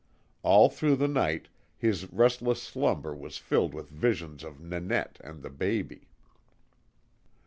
All through the night his restless slumber was filled with visions of Nanette and the baby.